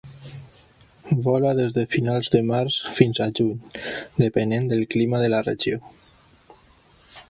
Vola des de finals de març fins a juny, depenent del clima de la regió.